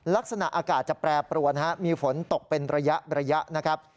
ลักษณะอากาศจะแปรปรวนมีฝนตกเป็นระยะนะครับ